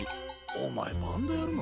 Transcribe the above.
おまえバンドやるの？